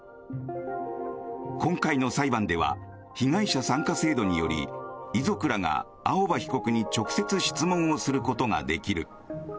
今回の裁判では被害者参加制度により遺族らが青葉被告に直接質問をすることができる。